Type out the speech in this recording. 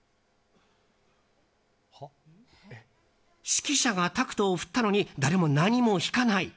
指揮者がタクトを振ったのに誰も何も弾かない。